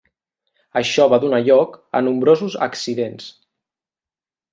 Això va donar lloc a nombrosos accidents.